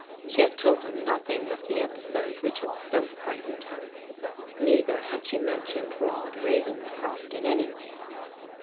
She had tokl her nothing of die qMSode ^diich had so frightened her. Neidier had she mentioned Rod Ra Tenscroft in any way.